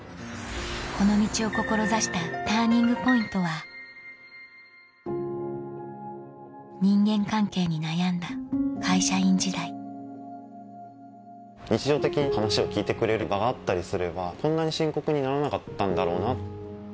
この道を志したＴＵＲＮＩＮＧＰＯＩＮＴは人間関係に悩んだ会社員時代日常的に話を聞いてくれる場があったりすればこんなに深刻にならなかったんだろうな。